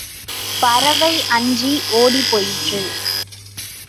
பறவை அஞ்சி ஓடிப்போயிற்று.